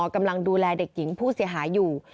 กำลังดูแลเด็กหญิงผู้เสียหายอยู่